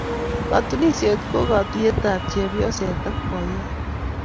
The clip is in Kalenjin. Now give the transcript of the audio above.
Katunisyet ko katuyet ap chepyoset ak poyot.